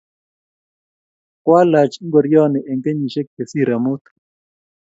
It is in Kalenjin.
kwalach ngorioni eng kenyishek che sirei mut